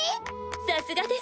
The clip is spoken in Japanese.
さすがです。